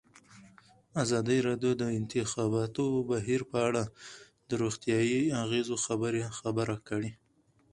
ازادي راډیو د د انتخاباتو بهیر په اړه د روغتیایي اغېزو خبره کړې.